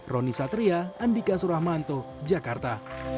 roni satria andika suramanto jakarta